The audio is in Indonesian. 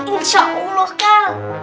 insya allah kal